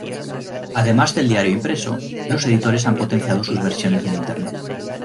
Además del diario impreso, los editores han potenciado sus versiones en Internet.